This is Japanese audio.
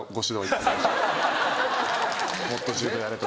もっと柔道やれとか。